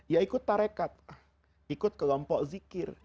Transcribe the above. ya ikut tarekat ikut kelompok zikir